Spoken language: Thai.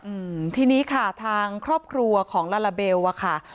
อืมทีนี้ค่ะทางครอบครัวของลาลาเบลอ่ะค่ะ